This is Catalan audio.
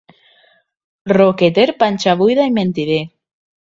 Roqueter, panxabuida i mentider.